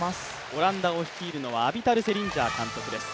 オランダを率いるのはアビタル・セリンジャー監督です。